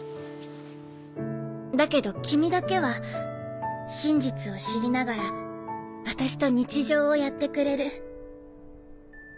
だけど君だけは真実を知りながら私と日常をやってくれる。